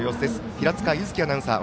平塚柚希アナウンサー